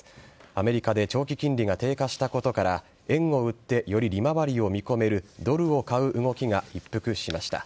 アメリカで長期金利が低下したことから円を売ってより利回りを見込めるドルを買う動きが一服しました。